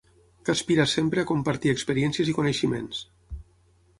Que aspira sempre a compartir experiències i coneixements.